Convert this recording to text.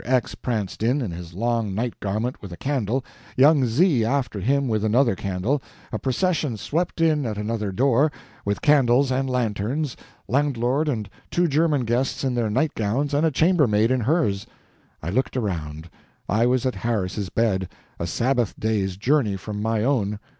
X pranced in, in his long night garment, with a candle, young Z after him with another candle; a procession swept in at another door, with candles and lanterns landlord and two German guests in their nightgowns and a chambermaid in hers. I looked around; I was at Harris's bed, a Sabbath day's journey from my own.